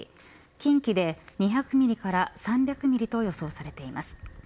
近畿で２００ミリから３００ミリと予想されています。